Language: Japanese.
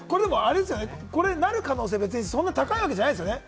これはなる可能性は高いわけじゃないですよね。